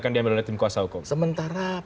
akan diambil oleh tim kuasa hukum sementara